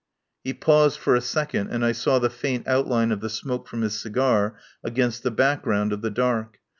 He paused for a second, and I saw the faint outline of the smoke from his cigar against the background of the dark.